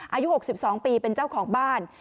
อายุ๖๒ปีเป็นเจ้าของบ้าน